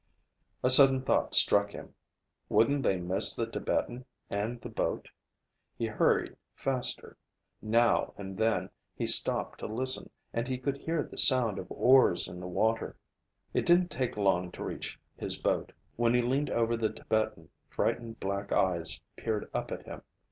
A sudden thought struck him. Wouldn't they miss the Tibetan and the boat? He hurried faster. Now and then he stopped to listen, and he could hear the sound of oars in the water. It didn't take long to reach his boat. When he leaned over the Tibetan, frightened black eyes peered up at him.